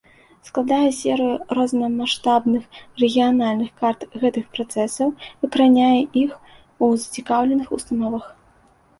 Складае серыю рознамаштабных рэгіянальных карт гэтых працэсаў, укараняе іх у зацікаўленых установах.